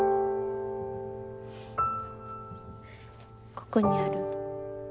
ここにあるんだ。